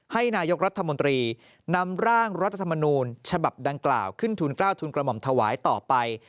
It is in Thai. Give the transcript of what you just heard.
ให้นายกรัฐมนตรีนำร่างรัฐธรรมนูญฉบับดังกล่าวขึ้นทุนกล้าวทุนกระหม่อมถวายต่อไป